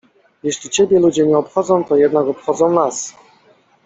— Jeśli ciebie ludzie nie obchodzą, to jednak obchodzą nas.